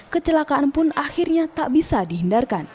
kecelakaan pun akhirnya tak bisa dihindarkan